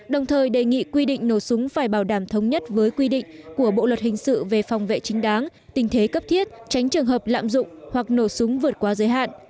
đồng thời đề nghị quy định nổ súng phải bảo đảm thống nhất với quy định của bộ luật hình sự về phòng vệ chính đáng tình thế cấp thiết tránh trường hợp lạm dụng hoặc nổ súng vượt qua giới hạn